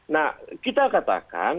nah kita katakan